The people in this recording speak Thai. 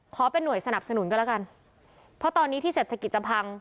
หน่วยสนับสนุนก็แล้วกันเพราะตอนนี้ที่เศรษฐกิจจะพัง